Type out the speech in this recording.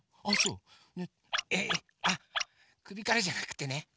あっくびからじゃなくてね